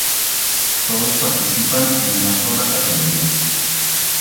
Todos participan en una sola categoría.